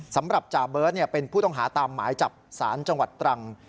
สำหรับจ่าเบิร์ตเป็นผู้ต้องหาตามหมายจับสารจังหวัดตรัง